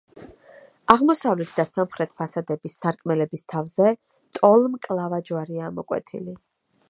აღმოსავლეთ და სამხრეთ ფასადების სარკმლების თავზე ტოლმკლავა ჯვარია ამოკვეთილი.